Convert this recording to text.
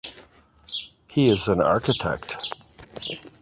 He is an architect.